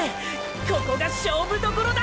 ここが勝負どころだ！！